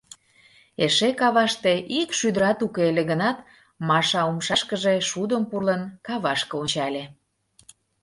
— эше каваште ик шӱдырат уке ыле гынат, Маша умшашыже шудым пурлын, кавашке ончале.